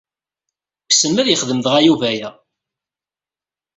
Wissen ma ad yexdem dɣa Yuba aya.